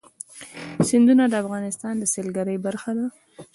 سیندونه د افغانستان د سیلګرۍ برخه ده.